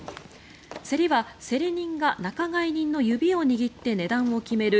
競りは競り人が仲買人の指を握って値段を決める